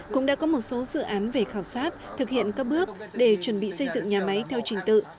cũng đã có một số dự án về khảo sát thực hiện các bước để chuẩn bị xây dựng nhà máy theo trình tự